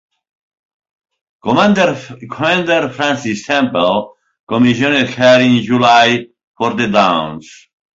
Commander Francis Temple commissioned her in July for the Downs.